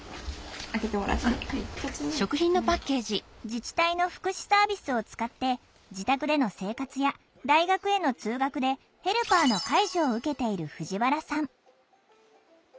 自治体の福祉サービスを使って自宅での生活や大学への通学でヘルパーの介助を受けている藤原さん。